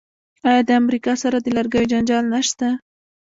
آیا د امریکا سره د لرګیو جنجال نشته؟